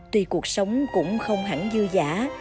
tuy cuộc sống cũng không hẳn dư giã